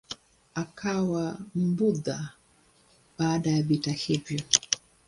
Akawa Mbudha baada ya vita hivi.